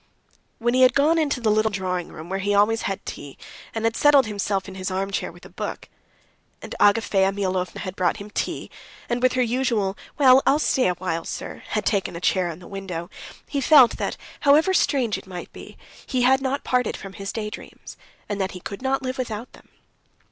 When he had gone into the little drawing room, where he always had tea, and had settled himself in his armchair with a book, and Agafea Mihalovna had brought him tea, and with her usual, "Well, I'll stay a while, sir," had taken a chair in the window, he felt that, however strange it might be, he had not parted from his daydreams, and that he could not live without them.